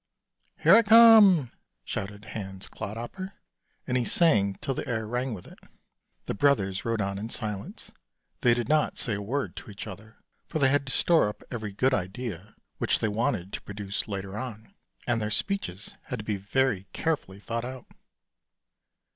" Here I come," shouted Hans Clodhopper, and he sang till the air rang with it. The brothers rode on in silence, they did not say a word to each other, for they had to store up every good idea which they wanted to produce later on, and their speeches had to be very carefully thought out.